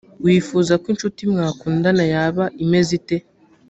wifuza ko incuti mwakundana yaba imeze ite?